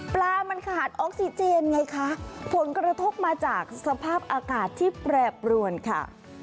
ปลามันขาดออกซิเจนไงคะผลกระทบมาจากสภาพอากาศที่แปรปรวนค่ะ